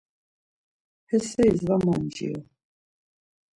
He seris var manciru.